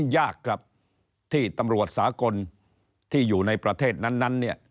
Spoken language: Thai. ยากครับที่ตำรวจสากลที่อยู่ในประเทศนั้นเนี่ย